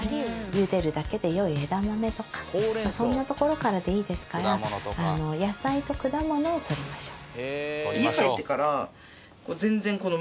茹でるだけでよい枝豆とかそんなところからでいいですから野菜と果物を取りましょう。